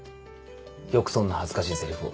よくそんな恥ずかしいセリフを。